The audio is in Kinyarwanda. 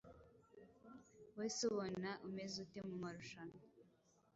Wowe se ubona umeze ute mu marushanwa?